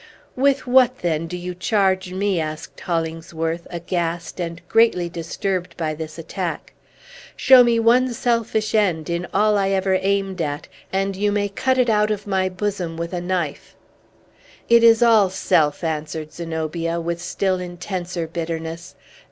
"With what, then, do you charge me!" asked Hollingsworth, aghast, and greatly disturbed by this attack. "Show me one selfish end, in all I ever aimed at, and you may cut it out of my bosom with a knife!" "It is all self!" answered Zenobia with still intenser bitterness.